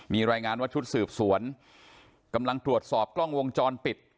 มีรายงานว่าชุดสืบสวนกำลังตรวจสอบกล้องวงจรปิด